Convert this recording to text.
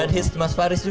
dan hits mas faris juga